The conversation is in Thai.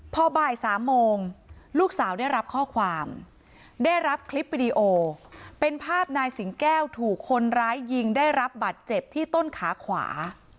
พอบ่าย๓โมงลูกสาวได้รับข้อความได้รับคลิปวิดีโอเป็นภาพนายสิงแก้วถูกคนร้ายยิงได้รับบัตรเจ็บที่ต้นขาขวา